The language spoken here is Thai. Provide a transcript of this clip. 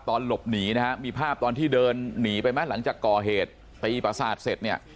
หลบหนีนะฮะมีภาพตอนที่เดินหนีไปไหมหลังจากก่อเหตุตีประสาทเสร็จเนี่ย